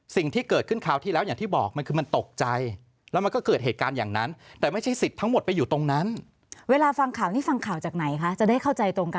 สิ่งที่เกิดขึ้นคราวที่แล้วอย่างที่บอกมันคือมันตกใจ